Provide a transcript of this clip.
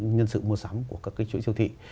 nhân sự mua sắm của các chuỗi thiêu thị